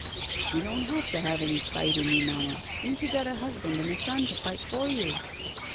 ''You don't have to have any fight in you, Mamma. 'Ain't you got a husband and a son to fight for you?"